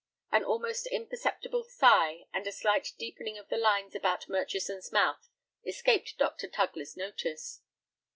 An almost imperceptible sigh and a slight deepening of the lines about Murchison's mouth escaped Dr. Tugler's notice.